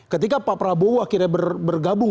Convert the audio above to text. ketika pak prabowo akhirnya bergabung